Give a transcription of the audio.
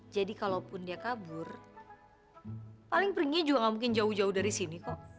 jadi kalaupun dia kabur paling pringnya juga gak mungkin jauh jauh dari sini kok